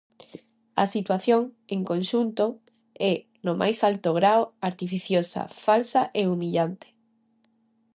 A situación, en conxunto, é, no máis alto grao, artificiosa, falsa e humillante.